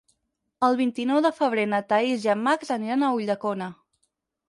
El vint-i-nou de febrer na Thaís i en Max aniran a Ulldecona.